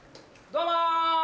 どうも！